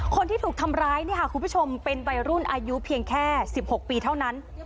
คนที่ถูกทำร้ายเนี่ยค่ะคุณผู้ชมเป็นวัยรุ่นอายุเพียงแค่๑๖ปีเท่านั้น